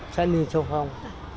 sát niên sâu phong